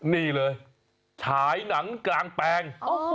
นี่เลยฉายหนังกลางแปลง